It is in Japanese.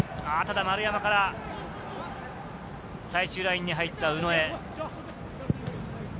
ただ丸山から、最終ラインに入った宇野へ。